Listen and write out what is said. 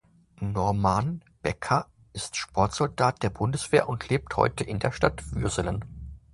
Norman Becker ist Sportsoldat der Bundeswehr und lebt heute in der Stadt Würselen.